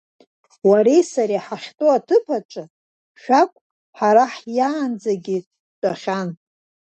Уареи сареи ҳахьтәоу аҭыԥ аҿы Шьагә ҳара ҳиаанӡагьы дтәахьан.